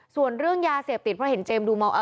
ส่วนเรื่องยาเสพติดเพราะเห็นเจมส์ดูมอง